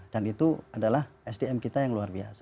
dan itu adalah sdm kita yang luar biasa